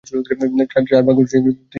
চার পাক ঘুরেছিস তুই, এভাবে ওড়না ধরে?